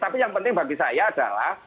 tapi yang penting bagi saya adalah